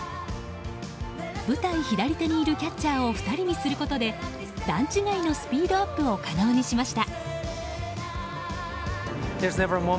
舞台左手にいるキャッチャーを２人にすることで段違いのスピードアップを可能にしました。